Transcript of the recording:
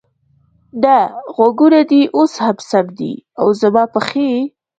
نه، غوږونه دې اوس هم سم دي، او زما پښې؟